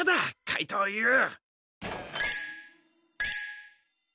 かいとうＵ。